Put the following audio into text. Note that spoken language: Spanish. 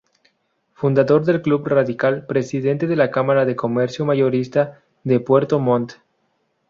Fundador del Club Radical, Presidente de la Cámara de Comercio Mayorista de Puerto Montt.